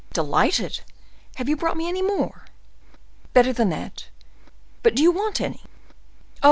"Delighted. Have you brought me any more?" "Better than that. But do you want any?" "Oh!